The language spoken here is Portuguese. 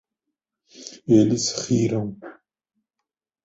Eles riram